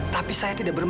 tapi saya tidak berpikir